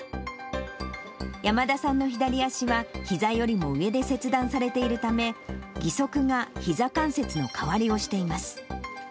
山田さんの左足は、ひざよりも上で切断されているため、義足がひざ関節の代わりをしています。